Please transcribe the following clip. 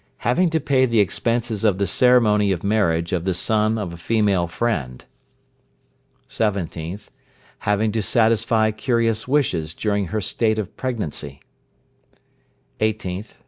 Having to pay the expenses of the ceremony of marriage of the son of a female friend. 17th. Having to satisfy curious wishes during her state of pregnancy. 18th.